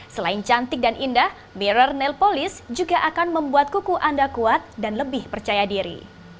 selain cantik dan indah mirror nail polis juga akan membuat kuku anda kuat dan lebih percaya diri